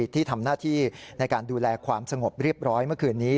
ที่ทำหน้าที่ในการดูแลความสงบเรียบร้อยเมื่อคืนนี้